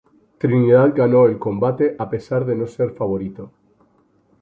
Trinidad ganó el combate a pesar de no ser favorito.